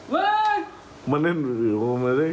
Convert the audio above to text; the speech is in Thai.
หุ่นกันเดี๋ยวเครื่องเหลือเครื่องเหลือ